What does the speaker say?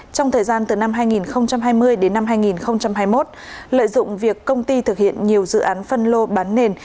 trong thời gian từ năm hai nghìn hai mươi đến năm hai nghìn hai mươi một lợi dụng việc công ty thực hiện nhiều dự án phân lô bán nền